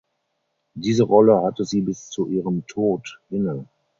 Diese Rolle hatte sie bis zu ihrem Tod inne.